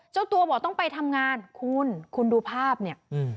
เจ้าตัวบอกต้องไปทำงานคุณคุณดูภาพเนี่ย